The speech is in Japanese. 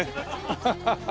アハハハ。